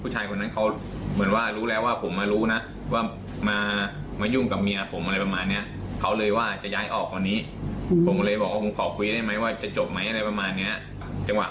จงทั้งหลังมากขามรถคันนี้กันอ่าว